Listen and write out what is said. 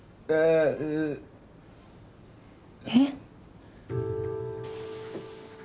えっ。